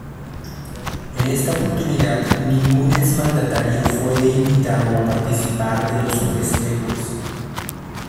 En esta oportunidad ningún ex mandatario fue invitado a participar de los festejos.